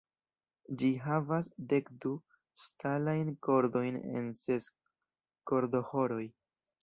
Ĝi havas dekdu ŝtalajn kordojn en ses kordoĥoroj.